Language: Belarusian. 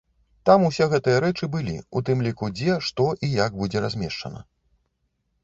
Там усе гэтыя рэчы былі, у тым ліку дзе, што і як будзе размешчана.